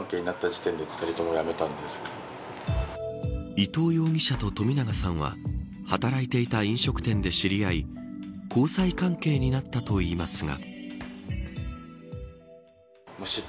伊藤容疑者と冨永さんは働いていた飲食店で知り合い交際関係になったといいますが。